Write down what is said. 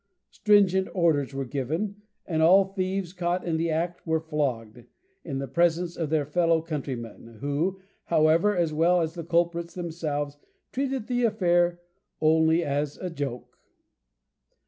Stringent orders were given, and all thieves caught in the act were flogged in the presence of their fellow countrymen, who, however, as well as the culprits themselves, treated the affair only as a joke.